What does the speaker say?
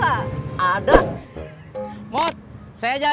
bang ada majalah wanita ga